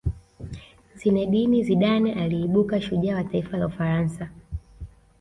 zinedine zidane aliibuka shujaa wa taifa la ufaransa